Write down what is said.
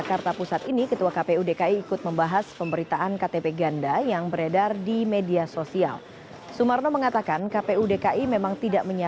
pertemuan ini juga dihadiri kapolda metro jaya teddy laksemana